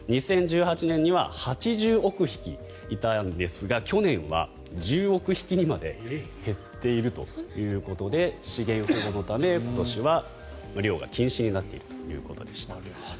２０１８年には８０億匹いたんですが去年は１０億匹にまで減っているということで資源保護のため今年は漁が禁止になっているということでした。